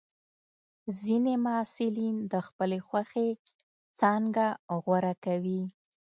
ځینې محصلین د خپلې خوښې څانګه غوره کوي.